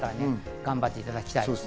頑張っていただきたいです。